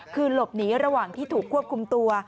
คือหลบหนีระหว่างที่ถูกควบคุมตัว